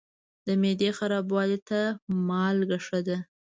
د معدې خرابوالي ته مالګه ښه ده.